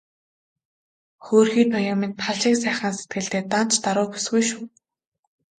Хөөрхий Туяа минь тал шиг сайхан сэтгэлтэй, даанч даруу бүсгүй шүү.